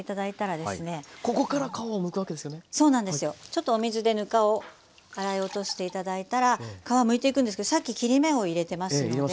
ちょっとお水でぬかを洗い落として頂いたら皮をむいていくんですけどさっき切り目を入れてますので。